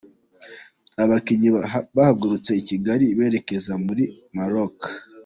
Abakinnyi bahagurutse i Kigali berekeza muri Maroc.